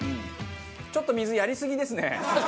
ちょっと水やりすぎですね。